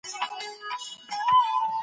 څېړنه باید له شخصي غرضه پاکه وي.